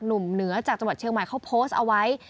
เหนือจากจังหวัดเชียงใหม่เขาโพสต์เอาไว้